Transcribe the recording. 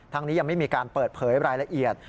ยังไม่มีการเปิดเผยรายละเอียด